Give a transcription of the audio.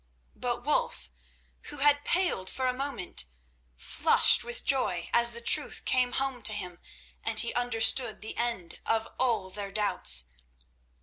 But Wulf, who had paled for a moment, flushed with joy as the truth came home to him, and he understood the end of all their doubts.